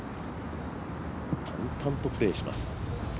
淡々とプレーします。